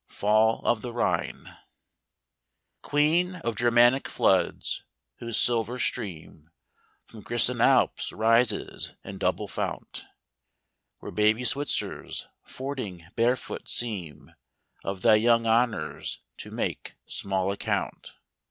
Fall of the Rhine . Queen of Germanic floods, whose silver stream From Grison Alps rises in double fount: Where baby Switzers, fording barefoot, seem Of thy young honours to make small account.